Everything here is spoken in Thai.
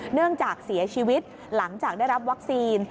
เนื่องจากเสียชีวิตหลังจากได้รับวัคซีน